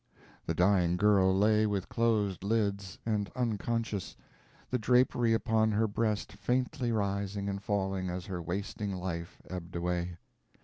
The dying girl lay with closed lids, and unconscious, the drapery upon her breast faintly rising and falling as her wasting life ebbed away.